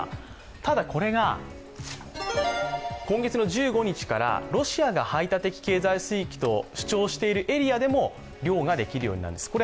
ただこれが今月１５日からロシアが排他的経済水域と主張しているエリアでも漁ができるようになります。